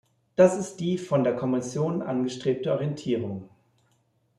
Das ist die von der Kommission angestrebte Orientierung.